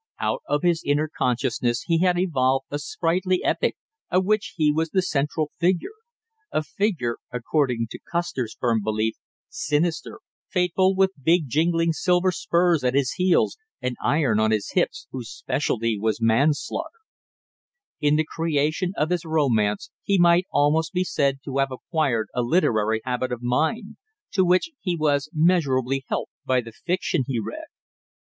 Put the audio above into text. Out of his inner consciousness he had evolved a sprightly epic of which he was the central figure, a figure, according to Custer's firm belief, sinister, fateful with big jingling silver spurs at his heels and iron on his hips, whose specialty was manslaughter. In the creation of his romance he might almost be said to have acquired a literary habit of mind, to which he was measurably helped by the fiction he read.